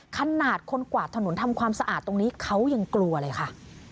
ขนาดคนกวาดถนนทำความสะอาดตรงนี้เขายังกลัวเลยค่ะ